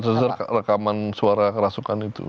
atas dasar rekaman suara kerasukan itu